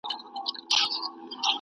شنې سبزیجات پوستکی نرموي.